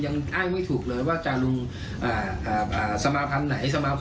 ผมนี่ลูกทหารพ่อผมเป็นทหาร